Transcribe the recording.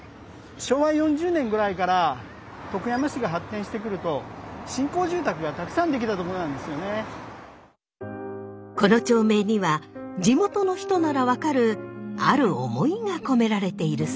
昭和４０年ぐらいから徳山市が発展してくるとこの町名には地元の人なら分かるある思いが込められているそうです。